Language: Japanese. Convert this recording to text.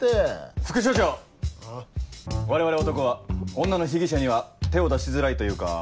副署長我々男は女の被疑者には手を出しづらいというか。